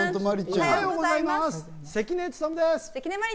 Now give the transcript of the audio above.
おはようございます。